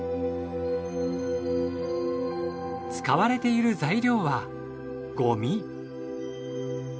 使われている材料はごみ。